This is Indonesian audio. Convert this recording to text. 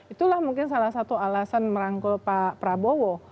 itulah mungkin salah satu alasan merangkul pak prabowo